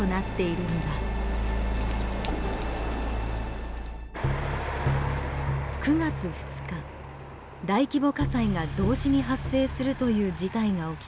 日大規模火災が同時に発生するという事態が起きた。